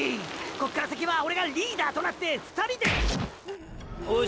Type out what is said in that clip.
こっから先はオレがリーダーとなって２人でぶっ！